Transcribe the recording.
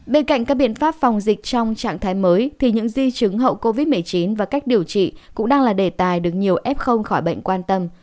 bên cạnh các biện pháp phòng dịch trong trạng thái mới thì những di chứng hậu covid một mươi chín và cách điều trị cũng đang là đề tài được nhiều f khỏi bệnh quan tâm